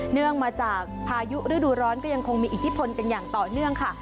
เนื่องมาจากพายุฤดูร้อนก็ยังคงมีอิทธิพลกันอย่างต่อเนื่องค่ะ